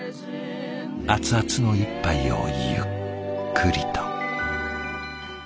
熱々の一杯をゆっくりと。